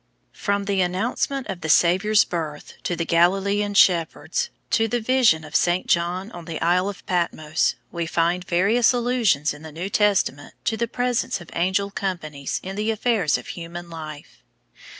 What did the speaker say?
From the announcement of the Saviour's birth to the Galilean shepherds, to the vision of Saint John on the Isle of Patmos, we find various allusions in the New Testament to the presence of angel companies in the affairs of human life.